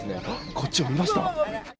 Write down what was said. こっちを見ました。